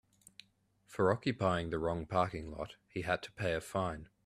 For occupying the wrong parking lot he had to pay a fine.